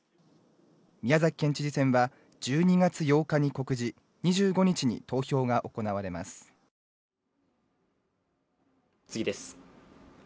宮崎県知事選は、１２月８日に告示、２５日に投票が行われます。